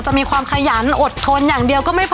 มีความขยันอดทนอย่างเดียวก็ไม่พอ